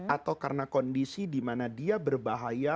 atau karena kondisi di mana dia berbahaya